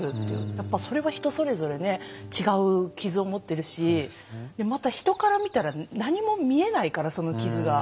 やっぱりそれは、人それぞれで違う傷を持っているしまた人から見たら何も見えないから、その傷が。